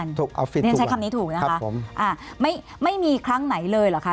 ออฟฟิศทุกวันครับผมใช้คำนี้ถูกนะคะไม่มีครั้งไหนเลยหรือคะ